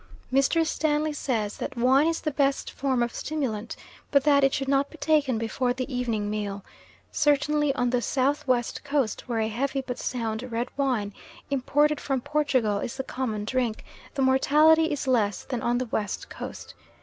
Mr. Stanley says that wine is the best form of stimulant, but that it should not be taken before the evening meal. Certainly on the South West Coast, where a heavy, but sound, red wine imported from Portugal is the common drink, the mortality is less than on the West Coast.